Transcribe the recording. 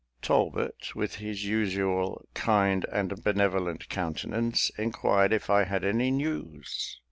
Talbot, with his usual kind and benevolent countenance, inquired if I had any news?